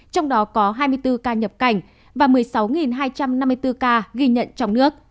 trong đó có hai mươi bốn ca nhập cảnh và một mươi sáu hai trăm năm mươi bốn ca ghi nhận trong nước